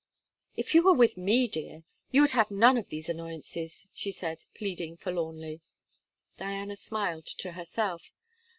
'If you were with me, dear, you would have none of these annoyances,' she said, pleading forlornly. Diana smiled to herself.